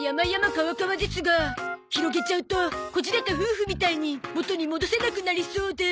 カワカワですが広げちゃうとこじれた夫婦みたいに元に戻せなくなりそうで。